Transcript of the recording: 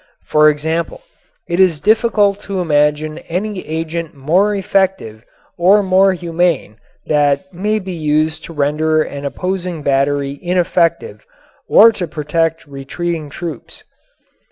For example, it is difficult to imagine any agent more effective or more humane that may be used to render an opposing battery ineffective or to protect retreating troops.